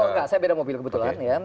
oh enggak saya beda mobil kebetulan ya